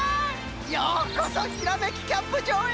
ようこそひらめきキャンプじょうへ！